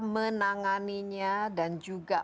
menanganinya dan juga